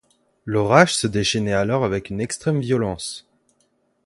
L’orage se déchaînait alors avec une extrême violence.